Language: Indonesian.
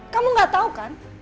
kamu gak tahu kan